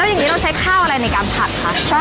แล้วยังไงเราใช้ข้าวอะไรในการผัดคะ